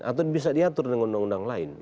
atau bisa diatur dengan undang undang lain